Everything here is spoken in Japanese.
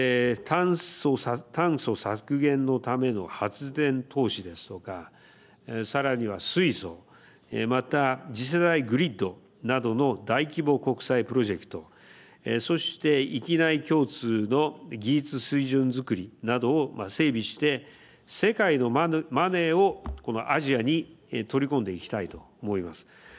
炭素削減のための発電投資ですとかさらには水素、また次世代グリッドなどの大規模国際プロジェクト、そして域内共通の技術水準づくりなどを整備して世界のマネーをアジアに取り込んでいきたいと思います。